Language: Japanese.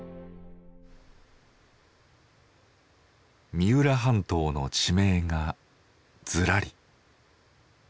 三浦半島の地名がずらり。